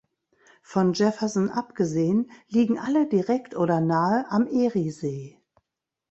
Von Jefferson abgesehen liegen alle direkt oder nahe am Eriesee.